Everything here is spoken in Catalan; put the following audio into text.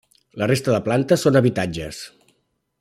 La resta de plantes són habitatges.